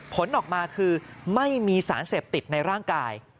ผลออกมาคือไม่มีสารเสพติดในร่างกาย